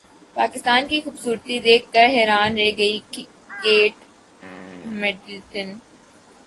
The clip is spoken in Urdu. پاکستان کی خوبصورتی دیکھ کر حیران رہ گئی کیٹ مڈلٹن